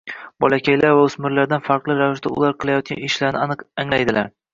Bolakaylar va o‘smirlardan farqli ravishda ular qilayotgan ishlarini aniq anglaydilar.